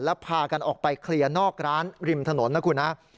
แล้วพากันออกไปเคลียร์นอกร้านริมถนนนะครับ